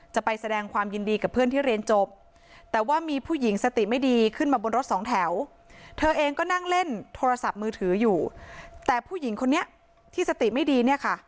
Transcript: จะไปแสดงความยินดีกับเพื่อนที่เรียนจบแต่ว่ามีผู้หญิงสติไม่ดี